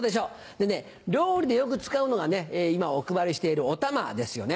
でね料理でよく使うのが今お配りしているおたまですよね。